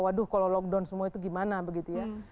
waduh kalau lockdown semua itu gimana begitu ya